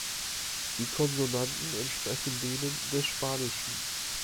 Die Konsonanten entsprechen denen des Spanischen.